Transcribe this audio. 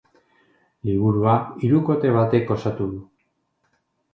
Liburua, hirukote batek osatu du.